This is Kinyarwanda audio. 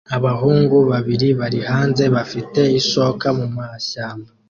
Abahungu babiri bari hanze bafite ishoka mumashyamba